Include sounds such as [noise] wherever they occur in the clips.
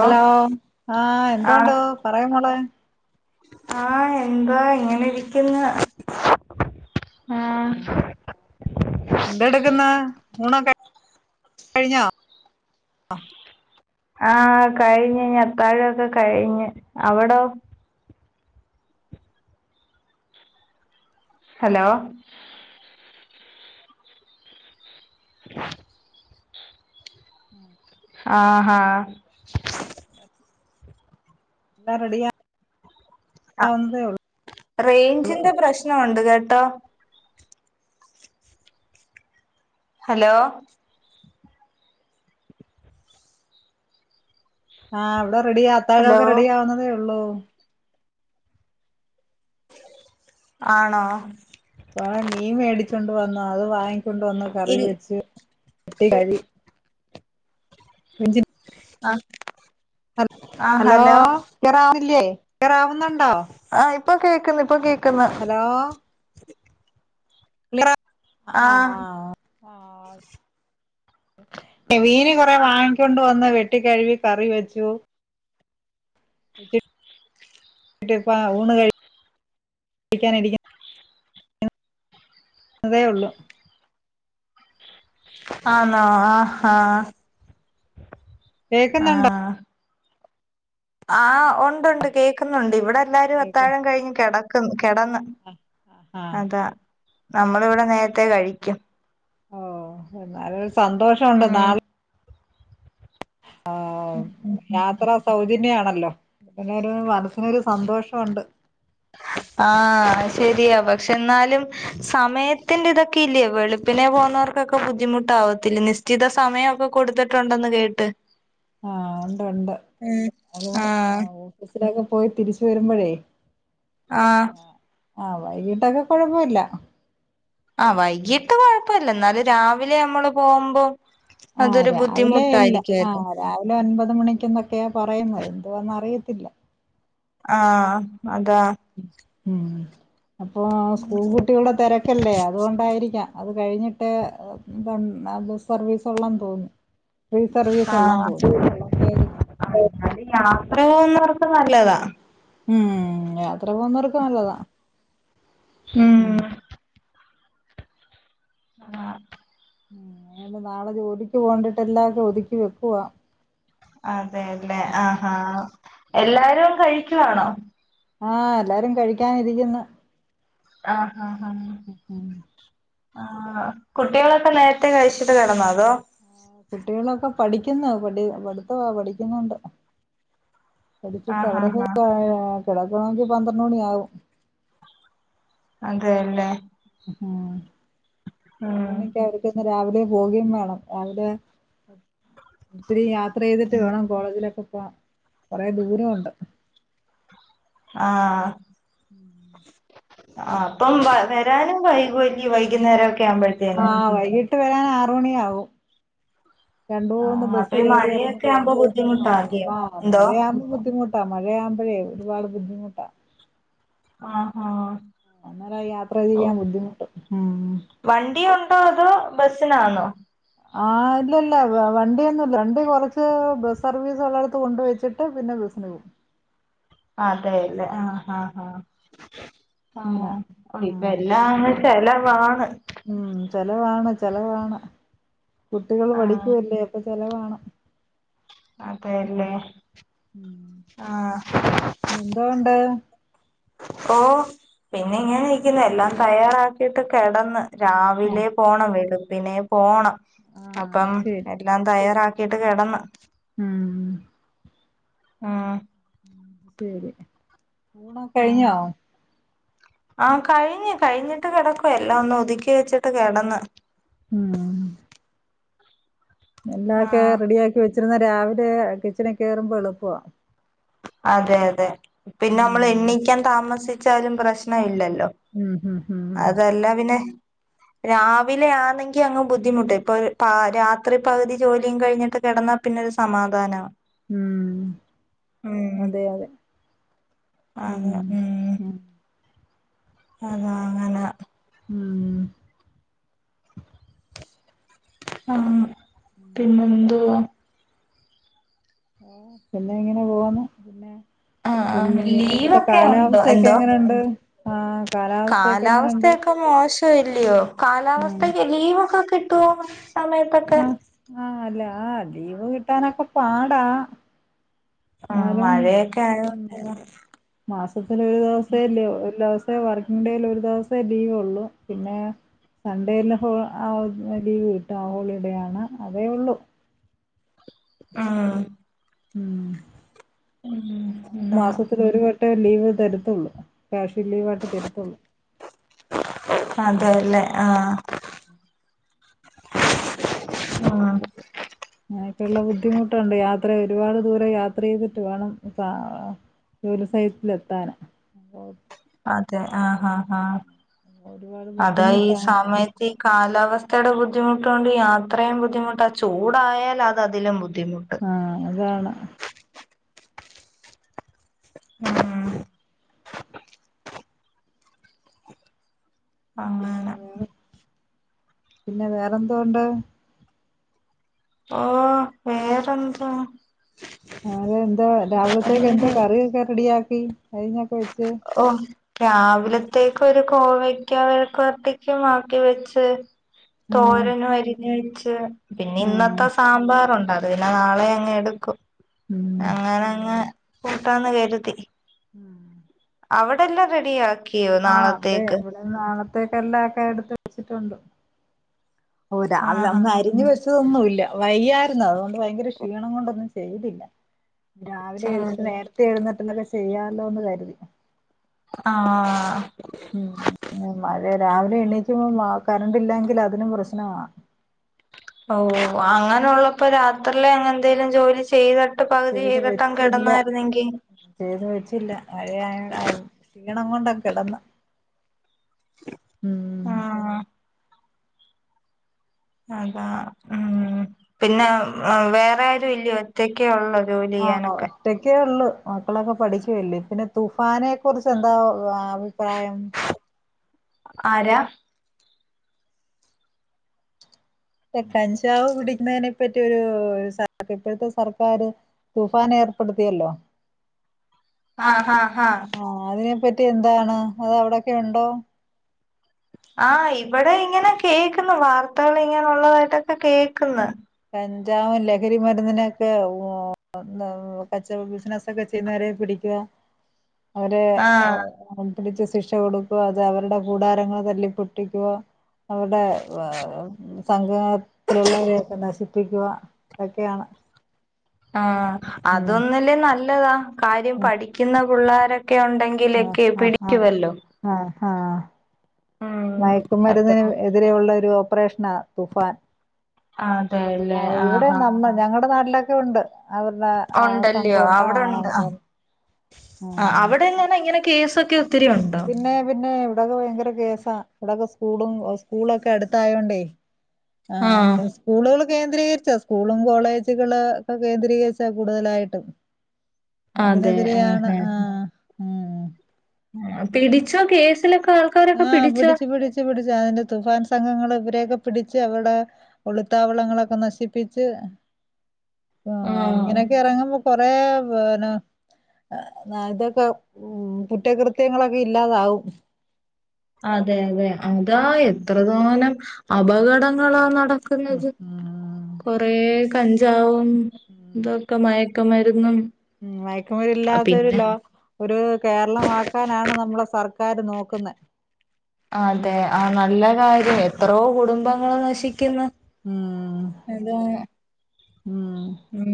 Hello ആഹ് എന്തോണ്ടൂ പറയാ മോളെ ആഹ് എന്താ ഇങ്ങനെ ഇരിക്കുന്ന് ആഹ് എന്തെടുക്കുന്ന് ഊണൊക്കെ കഴിഞ്ഞോ അ ആഹ് കഴിഞ്ഞ് ത്താഴൊക്കെ കഴിഞ്ഞ് അവിടോ ഹലോ [unintelligible] ആഹ ഹാ എല്ലാ റെഡിയാ ആ റേയ്ഞ്ചിന്റെ പ്രശ്നമുണ്ട് കേട്ടോ ഹലോ ആഹ് വിടെ റെഡിയാ ഹലോ ത്താഴൊക്കെ റെഡി ആവുന്നതേ ഒള്ളൂ ആണോ കൊറേ മീൻ മേടിച്ചൊണ്ട് വന്നൂ അത് വാങ്ങി കൊണ്ട് വന്ന് കറി ഇൽ വെച്ച് ട്ടി കടി ഇഞ്ചി ആഹ് ഹ ഹലോ ക്ലിയറാവുന്നില്ലേ ക്ലിയാറാവുന്നുണ്ടോ ഇപ്പ കേൾക്കുന്നു ഇപ്പ കേക്കുന്നു ഹലോ ആഹ് ആഹ് ആഹ മീന് കുറെ വാങ്ങിക്കൊണ്ട് വന്ന് വെട്ടിക്കഴകി കറി വെച്ചു [unintelligible] അതേ ഉള്ളു ആണോ ആ ഹാ കേക്കുന്നുണ്ടോ ആഹ ആഹ ഉണ്ട് ഉണ്ട് കേൾക്കുന്നുണ്ട് ഇവിടെ എല്ലാരും കേക്ക് അത്താഴം കഴിഞ്ഞ് കിടക്ക്ന്ന് കിടന്ന് ആഹ് ആഹ് അതാ നമ്മളിവിടെ നേരത്തെ കഴിക്കും ഓ എന്നാല ഒരു സന്തോഷമുണ്ട് ഉം നാളെ ആ യാത്ര സൗജന്യണ ല്ലോ പിന്നെരു മനസ്സിനൊരു സന്തോഷോണ്ട് ആഹ ശരിയാ പക്ഷെ എന്നാലും സമയത്ത് ത്തിന്റെ ഇതൊക്കെ ഇല്ലേ വെളുപ്പിനെ പോകുന്നവർക്കൊക്കെ ബുദ്ധിമുട്ടാാവത്തില്ല നിശ്ചിത സമയമൊക്കെ കൊടുത്തിട്ടുണ്ടെന്ന് കേട്ട് ആഹ ഉണ്ട് ഉണ്ട് ഉം അത് ആഹ് ഓഫീസിലൊക്കെ പോയി തിരിച്ചു വരുമ്പോഴേ ആഹ ആഹ് വൈകീട്ടൊക്കെ കൊഴപ്പൊല്ല്യ ആഹ വൈകീട്ട് കൊഴപ്പല്ല എന്നാല് രാവിലെ നമ്മള് പോകുമ്പോ ആഹ് അതൊരു രാവിലെ ഇല്ല ബുദ്ധിമുട്ടായിരിക്കുവല്ലോ ആഹ രാവിലെ ഒൻപത് മണിക്കന്നൊക്കെയാ പറയുന്നത് എന്നാന്ന അറിയത്തില്ല ആഹ അതാ അപ്പോൾ സ്കൂൾ കുട്ടികളുടെ തെരക്കല്ലേ അതുകൊണ്ടായിരിക്കാം അത് കഴിഞ്ഞിട്ട് സർവീസുള്ളാെന്ന് തോന്നി [unintelligible] [unintelligible] നല്ലതാ ഉം യാത്ര പോകുന്നവർക്ക് നല്ലതാ ഉം ആ ആ നാളെ ജോലിക്ക് പോണ്ടിട്ട എല്ലാതും ഒതുക്കി വെക്കുവാ അതെല്ലേ ആഹാ എല്ലാരും കഴിക്കുവാണോ ആ എല്ലാരും കഴിക്കാനിരിക്ക്ന്ന് ആ അ ആ [unintelligible] ആ കുട്ടികളൊക്കെ നേരത്തെ കഴിച്ചിട്ട് കിടന്നോ അതോ ആ കുട്ടികളൊക്കെ പഠിക്കുന്നു പഠി പഠത്തവാ പഠിക്കുന്നുണ്ട് പടിച്ചിട്ട് ആഹ് ആഹ് അവരൊക്കെ ആഹ് കിടക്കണമെങ്കി പന്ത്രണ്ട് മണി ആകും അതെല്ലേ ഉം ഉം എന്നണ്ടെക്ക് അവർക്കൊന്ന് രാവിലെ പോകേം വേണം രാവിലെ ഒത്തിരി യാത്ര ചെയ്തിട്ട് വേണം കോളേജിലൊക്കെ ഇപ്പൊ കൊറേ ദൂരമുണ്ട് ആ ആ അപ്പം വ വരാനും വൈകുവല്ല വൈകുന്നേരം ഒക്കെ ആവുമ്പോഴത്തേന ട്ട് വരാൻ ആർ മണിയാവും രണ്ട മൂന്ന് ആഹ് ബസ്സ് അപ്പൊ ഈ കറി ഇറങ്ങി മഴയൊക്കെ ആവുമ്പോ പോണം ബുദ്ധിമുട്ടാകയോ എന്തോ മഴയാവുമ്പോ ബുദ്ധിമു ട്ട മഴയാകുമ്പോഴേ ഒരുപാട് ബുദ്ധിമുട്ടാ ആ ആ അന്നേര യാത്ര ചെയ്യാൻ ബുദ്ധിമുട്ടും ആ വണ്ടി ഉണ്ടോ അതോ ബസ്സിനന്നോ ആ ഇല്ല ഇല്ല വണ്ടിയൊന്നുംല്ല രണ്ടി കൊറച്ച് ബസ് സർവീസ് ഉള്ളടടുത്ത് കൊണ്ടുവെച്ചിട്ട്. ബിസിനവും അതെല്ലേ ആ ആ ആ അങ്ങനെ ആ ഇപ്പ എല്ലാം അങ്ങ ചല വാണ്. മ് ചെലവാണ് ചെിലവാണ് കുട്ടികള് ആഹ് പഠിക്കല്ലേ അപ്പ. ചെലവാണ്. അതെല്ലേ ഉം ഉം ആ എന്തോണ്ട് ഓ പിന്നെ ഇങ്ങന ഇക്ക്ന്ന് എല്ലാം തയ്യാറാക്കിയിട്ട് കിടന്ന്. ആ രാവിലെ പോണം വെളുപ്പിനെ പോണം ആ അത് അപ്പം എല്ലാം തയ്യാറാക്കി. ക്കിട്ട് കിടന്നു. മ് ആ മ്മ് കഴിഞ്ഞോ? ആ കഴിഞ്ഞു കഴിഞ്ഞിട്ട് കിടക്കുവ എല്ലാം ഒന്ന് ഒതുക്കി വെച്ചിട്ട് കിടന്ന്. മ് എല്ലാം ഒക്കെ ആഹ് റെഡിയാക്കി വെച്ചിരുന്ന രാവിലെ കിച്ചണി കേറുമ്പോ എളുപ്പവാ. അതെ അതെ പിന്നെ നമ്മൾ ഉം എണ്ണിക്കാൻ താമസിച്ചാലും പ്രശ്ന ഇല്ലല്ലോ. ഉം ഉം ഉം ല്ലോ ഉം അതല്ല പിന്നെ- രാവിലെ ആണെങ്കി അങ്ങ് ബുദ്ധിമുട്ട് ഇപ്പൊ രാത്രി പകുതി ജോലിയും കഴിഞ്ഞിട്ട് കിട- ന്നാ പിന്നെ ഒരു സമാധാനം. ഉം അതെ അതെ. ഉം അതെ മ്. ഉം അതാ അങ്ങനെ- മ് ആ പിന്നെന്തോ? പിന്നെ ഇങ്ങനെ പോവാന്ന് പിന്നെ. ആ- ആ പിന്നെ അവിടുത്തെ ലീവൊക്കെ ഉണ്ടോ കാലാവസ്ഥയൊക്കെ എന്തോ എങ്ങനെയുണ്ട് ആഹ് കാലാവസ്ഥയൊക്കെ എങ്ങനെയുണ്ട്? കാലാവസ്ഥയൊക്കെ മോശം. ഇല്ലയോ ഉം കാലാവസ്ഥക്ക് ലീവൊക്കെ കിട്ടുവോ സമയത്തൊക്കെ? ആ ലീവ് കിട്ടാനൊക്കെ പാടാ. ആഹ് എന്നാലും മഴയൊക്കെ ആയോണ്ട് മാസത്തി ഒരു ദിവസേല്ലോ ഒരുദിവസ- ത്തെ വർക്കിംഗ് ഡേൽ ഒരു ദിവസേ ലീവ ഉള്ളു പിന്നെ. സൺഡേല്ലെ ഹോ ആ ലീവ് കിട്ട് ആ ഹോളിഡേ ആണ് അതേ ഉള്ളു. ആ മ് എന്താ മാസത്തി ലൊരു വട്ടെ ലീവ് തരത്തുള്ളു. ഉം. അതെല്ലേ ആ ആ അങ്ങനൊക്കെയുള്ള ബുദ്ധിമുട്ടുണ്ട് യാ. അത്ര ഒരുപാട് ദൂരെം യാത്ര ചെയ്തിട്ട് വേണംജോലി സൈട്ടിലെത്താൻ. [unintelligible] അതെ ആ ആ ആ ഒരുപാട് അത ഈ ബുദ്ധിമുട്ടാണ് സമയത്ത്. കാലാവസ്ഥയുടെ ബുദ്ധിമുട്ടുകൊണ്ട് യാത്രയും ബുദ്ധിമുട്ട് ആ ചൂടായാൽ അത് അതിലും ബദ്ധ- ആ അതാണ്. [unintelligible] പിന്നെ അങ്ങനെ. പിന്നെ വേറെന്തുണ്ട്? ഓ പേരെന്താ? അതന്തോ രാവിലത്തേക്ക് എന്തോ കറിയൊക്കെ റെഡിയാക്കി കഴഞ്ഞൊക്കെ വെച്ച്. ഓ രാവിലത്തേക്ക് ഒരു കോവക്ക വെഴുക്കു വരട്ടിക്കും ആഹ് തോരനും അരിഞ്ഞ് വെച്ച് പിന്നെ ഉം ഇന്നത്തെ സാമ്പാറുണ്ടാവും അത് പിന്നെ നാളെ അങ്ങ് എടുക്കും ഉം അങ്ങനങ്ങ് കൂട്ടാന്ന് കരുതി ഉം അവിടെ എല്ലാം റെഡിയ ആ അവിടെ ഇവിടെ നാളത്തേക്ക് എല്ലാം ഒക്കെ എടുത്ത് വെച്ചിട്ടുണ്ട് ഓരാ അവ ആഹാ അന്ന് അരിഞ്ഞ് ന്നുംല്ല വയ്യായിരുന്നു അതുകൊണ്ട് ഭയങ്കര ക്ഷീണം കൊണ്ടൊന്നും ചെയ്തില്ല രാവിലെ എഴുച്ചിട്ട് ശരി നേരത്തെ എഴുന്നിട്ടന്നൊക്കെ ചെയ്യാലോന്ന് കരുതി ആ ഉം മഴ രാവിലെ എണ്ണീച്ചുമ്പം മ കറണ്ട് ഇല്ലെങ്കിൽ അതിനും പ്രശ്നമാണ് ഓ അങ്ങനെയുള്ളപ്പോ രാത്രില് അങ്ങനെ എന്തെങ്കലും ജോലി ചെയ്ത ആ ചെയ്ത് വെച്ചില്ല ചെയ്ത് വെച്ചില്ല മഴും ക്ഷിണം കൊണ്ട് കിടന്ന് ഉം ആ അതാ ഉം പിന്നെ വേറെ ആരും ഇല്ലയോ ഒറ്റക്കെള്ളൂ ആ ഒറ്റയ്ക്ക് ഒള്ളു മക്കളൊക്കെ പഠിച്ചുല്ലേ പിന്നെ തുഫാനെ കുറിച്ച് എന്താ അഭിപ്രായം ആരാ റ്റെ കഞ്ചാവ് പിടിക്കുന്നതിനെ പറ്റിരു ഇപ്പോഴത്തെ സർക്കാർ തുഫാന ഏർപ്പെടുത്തിയല്ലോ ആ ആഹ് അതിനെപ്പറ്റി എന്താണ് അത് അവിടൊക്കെ ഉണ്ടോ ആ ഇവിടെ ഇങ്ങനെ കേൾക്കുന്നു വാർത്തകൾ ഇങ്ങനുള്ളതായിട്ടൊക്കെ കേക്കുന്നു കഞ്ചാവും ലഹരി മരുന്നിനൊക്കെ കച്ചവടവും ബിസിനസും ഒക്കെ ചെയ്യുന്നവരെ പിടിക്കുക അവര് ആഹ് പിടിച്ചു ശിക്ഷ കൊടുക്കുവ അത് അവരുടെ കൂടാരങ്ങൾ തല്ലിപ്പൊട്ടിക്കുവ അവിടെ സംഗത്തിലുള്ളവരൊക്കെ പിടിപ്പിക്കുക ഇതൊക്കെയാണ് ആഹ് ഉം അതൊന്നില്ലേ നല്ലതാ കാര്യം ആ പഠിക്കുന്ന പിള്ളോരൊക്കെ ഒക്കെ ഉണ്ടെങ്കിലൊക്കെ പിടിക്കുവല്ലോ ആഹ് ഉം അത്ര മയക്കുമരുന്നിനന് എതിരെയുള്ള ഒരു ഓപ്പറേഷൻ തുഫാൻ ആ അതെല്ലേ ഇവിടെ ആഹ് നമ്മ ഞങ്ങളുടെ നാട്ടിലൊക്കെ ഉണ്ട് അവരുടെ ആ ഉണ്ടല്ലയോ സംഘംണ്ട് ആ അവിടെ ഉണ്ട് ആ ആ ഉം. അവിടെല്ല ഇങ്ങനെ കേസൊക്കെ ഒത്തിരി ഉണ്ടോ പിന്നെ പിന്നെ ഇവിടെ ഭയങ്കര കേ സാ ഇവിടൊക്കെ സ്കൂളും സ്കൂളൊക്കെ അടുത്തായോണ്ടേ ആഹ് എന്താ സ്കൂളുകൾക്ക് കേന്ദ്രീകരിച്ച് സ്കൂളും കോളേജുകള് ഒക്കെ കേന്ദ്രീകരിച്ചാ കൂടുതലായിട്ടും അതെ ആഹ് അതിനെതിരെയാണ് ആഹ് ഉം പിടിച്ചോ കേസില് ആഹ് പിടിച്ചു പിടിച്ചു പിടിച്ചു അതിന്റെ തുഫാൻ സംഘങ്ങൾ ഇവരെ ഒക്കെ പിടിച്ച് അവിടെ ഒളുത്താവളങ്ങളൊക്കെ നശിപ്പിച്ച് ആ ആഹ് ഇങ്ങനെയൊക്കെ ഇറങ്ങുമ്പോ കൊറെ പിന്നെ ഇതൊക്കെ ഉം കുറ്റകൃത്യങ്ങളൊക്കെ ഇല്ലാതാവും അതെ അതെ അതാ ഉം എത്ര തോാനം അപകടങ്ങളാ നട ഉം കൊറേ കഞ്ചാവും ഉം ഇതൊക്കെ മ ഒക്കെ മരുന്നും ഉം മയക്ക്മരില്ലാത്തരു ലോ ഒരു കേരളമാക്കാനാണ് നമ്മളെ സർ കാര് നോക്കുന്നെ അതെ ഉം ആ നല്ല കാര്യം എത്രയോ കുടുംബങ്ങൾ നശിക്ക്ന്ന് ഉം ഇത് ഉം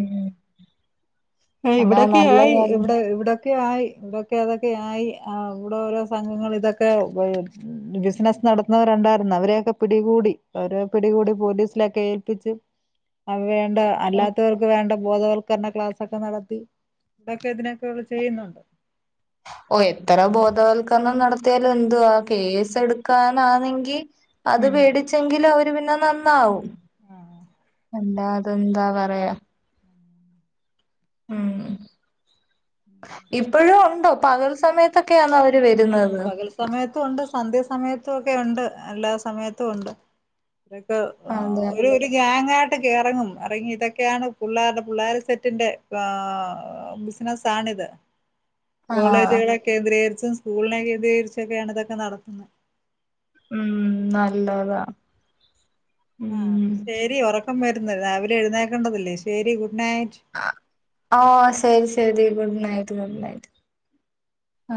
ആ അതാ ഇവിടൊക്കെ നല്ല ആയി കാര്യം ഇവിടെ ഇവിടെ ക്കെ ആയി ഇവിടൊക്കെ അതൊക്കെ ആയി അ ഇവിടൊരോ സംഘങ്ങൾ ഇതൊക്കെ വ അ ബിസിനസ് നടത്തുന്നവരിണ്ടാര്ന്ന് അവരെയൊക്കെ പിടികൂടി അവരെ പിടികൂടി പോലീസിലൊക്കെ ഏൽപ്പിച്ച് അ വേണ്ട ആ അല്ലാത്തവർക്ക് വേണ്ട ബോധവൽക്കരണ ക്ലാസ് തൊക്കെ നടത്തി തൊക്കെ തിനൊക്കെയുള്ള് ചെയ്യുന്നുണ്ട് ഓ എത്ര ബോധവൽക്കരണം നടത്തിയാലെന്തുവാ കേസെടുക്കാനാന്നെങ്കി അത് ഉം പേടിച്ചെങ്കിലെ അവര് പിന്നെ നന്നാവൂ ആ എന്താ അതെന്താ പറയാ ഉം ഇപ്പഴും ഉണ്ടോ പകൽ സമയത്തൊ ആ പകൽ സമയത്തും ഉണ്ട് സന്ധ്യ സമയത്തും ക്കെ ഉണ്ട് എല്ലാ സമയത്തും ഉണ്ട് ഇതൊക്കെ എർ അതെ ഒരു ഒരു ഗാങ്ങാ ഇതൊക്കെ എറങ്ങും എറങ്ങി ഇതൊക്കെയാണ് പുള്ളാരുടെ പുള്ളാര് സെറ്റിന്റെ എർ ബിസിനസാണ് ഇത് ആഹ് കോളേജുകളെ കേന്ദ്രീകരിച്ചും സ്കൂളിനെ കേന്ദ്രീകരിച്ചൊക്കെയാണ് ഇതൊക്കെ നടത്തുന്നെ ഉം നല്ലതാ ആഹ് ഉം ശെരി ഒറക്കം വരുന്ന് രാവിലെ എഴുന്നേക്കേണ്ടതല്ലേ ശരി ഗുഡ് നൈറ്റ് ഓ ശരി ശരി ഗുഡ് നൈറ്റ് ഗുഡ് നൈറ്റ് ആ